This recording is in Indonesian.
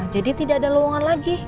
jadi tidak ada luangan lagi